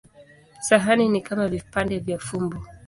Sahani ni kama vipande vya fumbo.